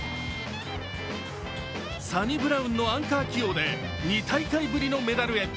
サニブラウンのアンカー起用で２大会ぶりのメダルへ。